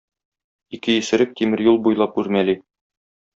Ике исерек тимер юл буйлап үрмәли.